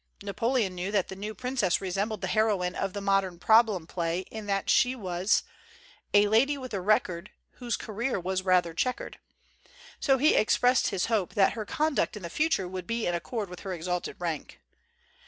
Napoleon knew that the new pr ;< rnbled the hero ine of the modern problem play in that she was THE GENTLE ART OF REPARTEE A lady with a record Whose career was rather checkered, so he expressed his hope that her conduct in the future would be in accord with her exalted rank.